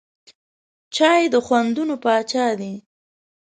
چای د خوندونو پاچا دی.